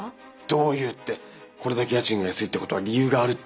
どういうってこれだけ家賃が安いってことは理由があるってことです。